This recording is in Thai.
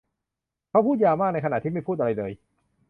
เขาพูดยาวมากในขณะที่ไม่พูดอะไรเลย